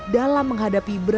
dalam menghadapi berat